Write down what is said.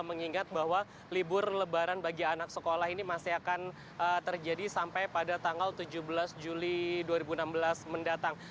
mengingat bahwa libur lebaran bagi anak sekolah ini masih akan terjadi sampai pada tanggal tujuh belas juli dua ribu enam belas mendatang